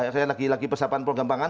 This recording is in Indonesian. saya lagi persiapan program pangan